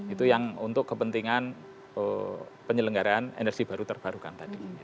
itu yang untuk kepentingan penyelenggaraan energi baru terbarukan tadi